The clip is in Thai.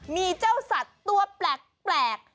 มีเจ้าสัตว์ตัวแปลก